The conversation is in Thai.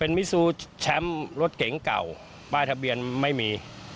มิซูแชมป์รถเก๋งเก่าป้ายทะเบียนไม่มี